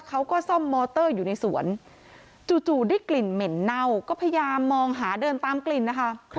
เขาก็ซ่อมมอเตอร์อยู่ในสวนจู่ได้กลิ่นเหม็นเน่าก็พยายามมองหาเดินตามกลิ่นนะคะ